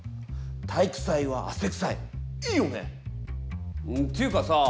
「体育祭は汗くさい」いいよね？っていうかさ